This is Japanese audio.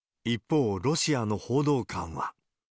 一方、ロシアの報道官は。